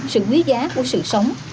sự quý giá của sự sống